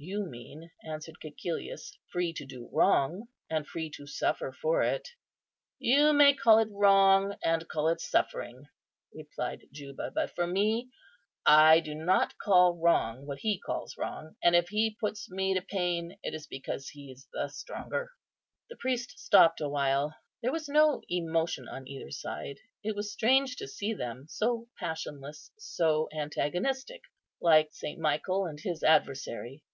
"You mean," answered Cæcilius, "free to do wrong, and free to suffer for it." "You may call it wrong, and call it suffering," replied Juba; "but for me, I do not call wrong what He calls wrong; and if He puts me to pain, it is because He is the stronger." The priest stopped awhile; there was no emotion on either side. It was strange to see them so passionless, so antagonistic, like St. Michael and his adversary.